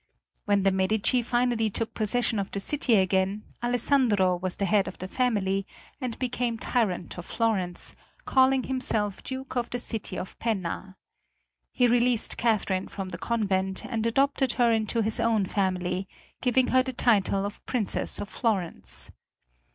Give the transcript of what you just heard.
When the Medici finally took possession of the city again Alessandro was the head of the family and became Tyrant of Florence, calling himself Duke of the City of Penna. He released Catherine from the convent and adopted her into his own family, giving her the title of Princess of Florence.